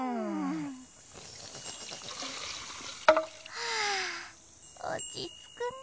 はぁおちつくね。